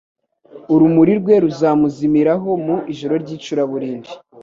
urumuri rwe ruzamuzimiraho mu ijoro ry’icuraburindi